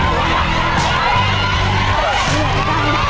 แล้วว่างถ้ามันโจ้มให้ร่วม